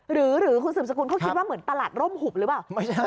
หรือคุณสืบสกุลเขาคิดว่าเหมือนตลาดร่มหุบหรือเปล่า